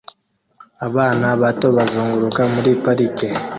Abana bato bazunguruka muri parike